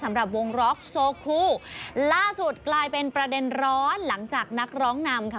สำหรับวงล็อกโซคูล่าสุดกลายเป็นประเด็นร้อนหลังจากนักร้องนำค่ะ